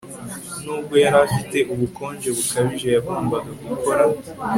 Nubwo yari afite ubukonje bukabije yagombaga gukora